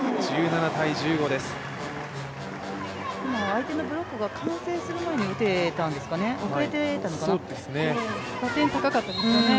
相手のブロックが完成する前に打てたんですかね。